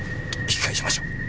引き返しましょう。